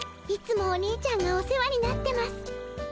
いつもおにいちゃんがお世話になってます。